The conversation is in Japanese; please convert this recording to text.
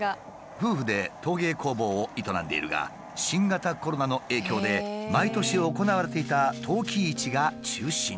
夫婦で陶芸工房を営んでいるが新型コロナの影響で毎年行われていた陶器市が中止に。